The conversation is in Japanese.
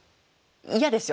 嫌ですよ。